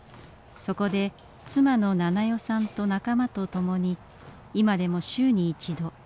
そこで妻の奈々代さんと仲間と共に今でも週に一度弓を引きます。